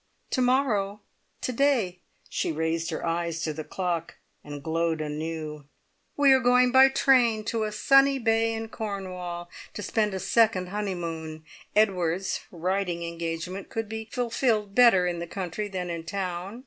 "To morrow to day," she raised her eyes to the clock, and glowed anew, "we are going by train to a sunny bay in Cornwall, to spend a second honeymoon. Edward's writing engagement could be fulfilled better in the country than in town.